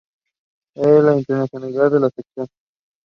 He felt deeply sad about it.